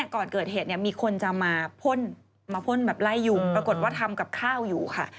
ก่อนเกิดเหตุมีคนจะมาพ่นมาพ่นแบบไล่ยุงปรากฏว่าทำกับข้าวอยู่ค่ะ